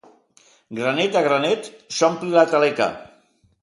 Granet a granet s'omple la taleca.